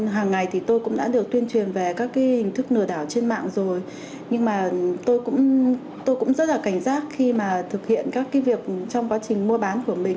hàng ngày thì tôi cũng đã được tuyên truyền về các hình thức nửa đảo trên mạng rồi nhưng mà tôi cũng tôi cũng rất là cảnh giác khi mà thực hiện các cái việc trong quá trình mua bán của mình